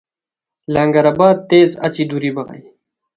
لنگر آباد تیز اچی دُوری بغائے